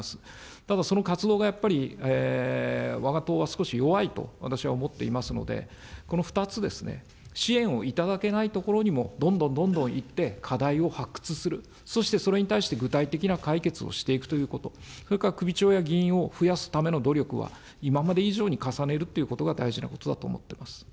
ただ、その活動がやっぱりわが党は少し弱いと私は思っていますので、この２つですね、支援をいただけない所にもどんどんどんどん行って課題を発掘する、そしてそれに対して具体的な解決をしていくということ、それから首長や議員を増やすための努力は、今まで以上に重ねるっていうことが大事なことだと思っています。